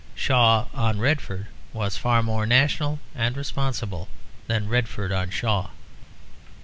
Shaw on Redford was far more national and responsible than Redford on Shaw.